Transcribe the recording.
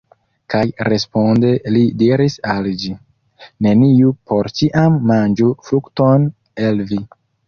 Kaj responde li diris al ĝi: Neniu por ĉiam manĝu frukton el vi.